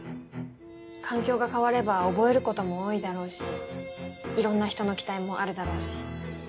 環境が変われば覚えることも多いだろうしいろんな人の期待もあるだろうし。